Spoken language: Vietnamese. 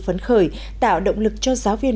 phấn khởi tạo động lực cho giáo viên